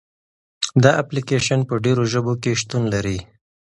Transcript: دا اپلیکیشن په ډېرو ژبو کې شتون لري.